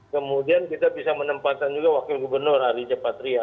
kemudian kita bisa menempatkan juga wakil gubernur arijepatria